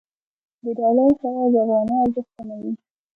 د ډالر فرار د افغانۍ ارزښت کموي.